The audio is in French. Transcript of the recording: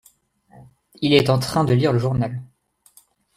Il est en train de lire le journal.